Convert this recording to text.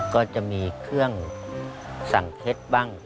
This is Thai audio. ก็จะมีเครื่องสั่งเคล็ดบ้าง